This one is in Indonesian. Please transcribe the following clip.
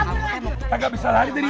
kamu sudah kemanin